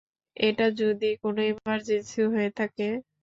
এটা যদি কোনো ইমার্জেন্সি হয়ে থাকে?